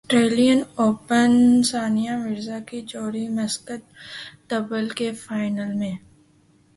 سٹریلین Open Sania Mirza کی جوڑی mixed double کے فائنل میں